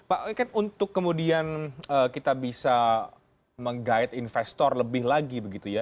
pak untuk kemudian kita bisa meng guide investor lebih lagi begitu ya